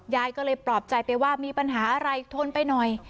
ยายก็เลยปลอบใจไปว่ามีปัญหาอะไรทนไปหน่อย